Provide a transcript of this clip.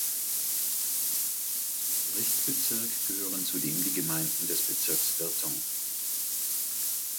Zum Gerichtsbezirk gehören zudem die Gemeinden des Bezirks Virton.